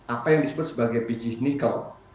apa yang disebut sebagai biji nikel